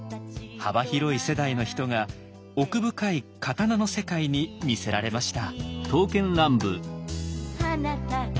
幅広い世代の人が奥深い刀の世界に魅せられました。